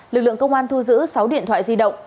lực lượng công an thu giữ sáu điện thoại di động